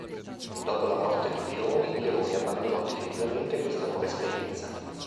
Dopo la morte di Pironi, Leoni abbandonò definitivamente questa nuova esperienza.